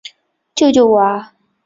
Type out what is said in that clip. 救救我啊！